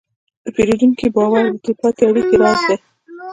د پیرودونکي باور د تلپاتې اړیکې راز دی.